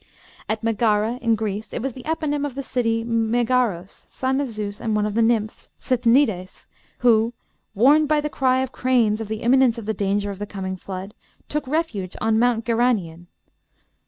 At Megara, in Greece, it was the eponym of the city, Megaros, son of Zeus and one of the nymphs, Sithnides, who, warned by the cry of cranes of the imminence of the danger of the coming flood, took refuge on Mount Geranien.